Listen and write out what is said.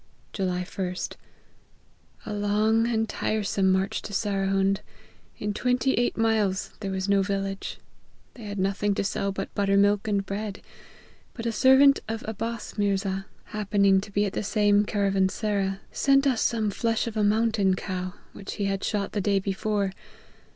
" July 1st. A long and tiresome march to Sare hund : in twenty eight miles there was no village. They had nothing to sell but buttermilk and bread ; but a servant of Abbas Mirza, happening to be at the same caravansera, sent us some flesh of a mountain cow, which he had shot the day before.